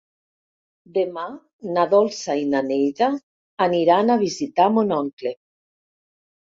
Demà na Dolça i na Neida aniran a visitar mon oncle.